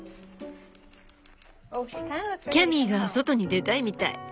キャミーが外に出たいみたい。